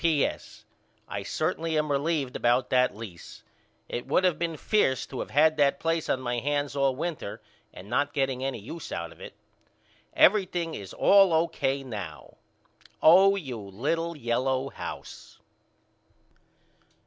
P.S. I certainly am relieved about that lease. It would of been fierce to of had that place on my hands all winter and not getting any use out of it. Everything is all O.K. now. Oh you little yellow house.